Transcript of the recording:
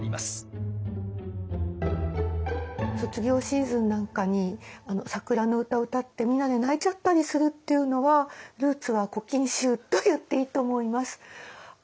卒業シーズンなんかに桜の歌歌ってみんなで泣いちゃったりするっていうのはルーツは「古今集」といっていいと思います。